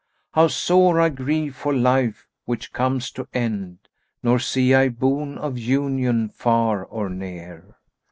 How sore I grieve for life which comes to end, * Nor see I boon of union far or near."